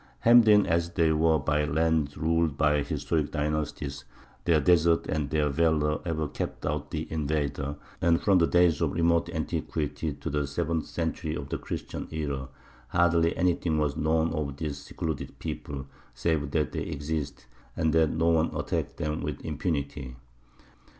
Hemmed in as they were by lands ruled by historic dynasties, their deserts and their valour ever kept out the invader, and from the days of remote antiquity to the seventh century of the Christian era hardly anything was known of this secluded people save that they existed, and that no one attacked them with impunity.